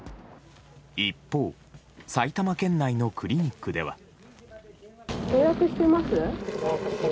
一方、埼玉県内のクリニックでは。